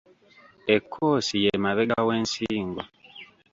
Ekkoosi ye mabega w’ensingo.